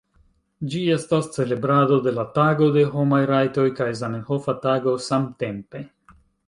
Ĝi estis celebrado de la Tago de Homaj Rajtoj kaj Zamenhofa Tago samtempe.